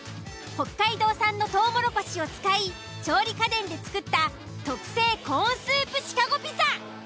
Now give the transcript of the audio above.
北海道産のトウモロコシを使い調理家電で作った特製コーンスープシカゴピザ。